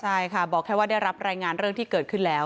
ใช่ค่ะบอกแค่ว่าได้รับรายงานเรื่องที่เกิดขึ้นแล้ว